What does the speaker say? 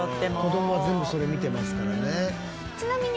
子供は全部それ見てますからね。